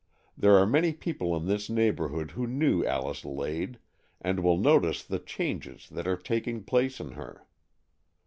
There are many people in this neighbourhood who knew Alice Lade, and will notice the changes that are taking place in her.